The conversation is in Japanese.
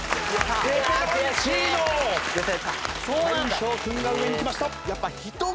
大昇君が上に来ました。